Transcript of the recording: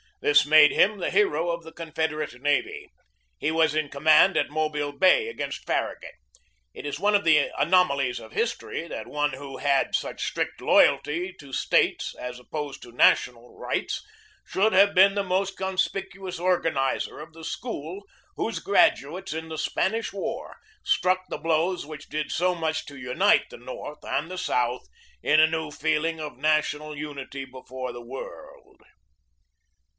This made him the hero of the Confederate navy. He was in command at Mobile Bay against Farragut. It is one of the anomalies of history that one who had such strict loyalty to State's as opposed to national rights should have been the most conspicu ous organizer of that school whose graduates, in the Spanish War, struck the blows which did so much to unite the North and the South in a new feeling of national unity before the world.